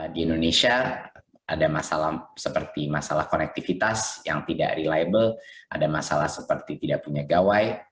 di indonesia ada masalah seperti masalah konektivitas yang tidak reliable ada masalah seperti tidak punya gawai